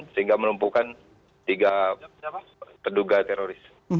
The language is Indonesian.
sehingga melumpuhkan tiga terduga teroris